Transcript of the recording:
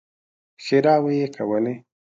ښېراوې يې کولې.